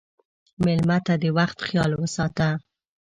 مېلمه ته د وخت خیال وساته.